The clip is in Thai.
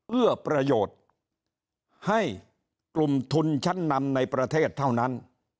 เอื้อประโยชน์ให้กลุ่มทุนชั้นนำในประเทศเท่านั้น